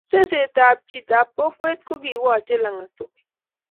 Seset ab chi ab kokwet ko ki wache langat tukul